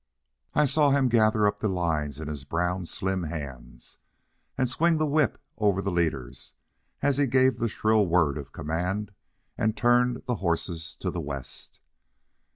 I saw him gather up the lines in his brown, slim hands, and swing the whip over the leaders, as he gave the shrill word of command and turned the horses to the West.